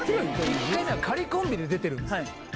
１回目に、仮コンビで出てるんです。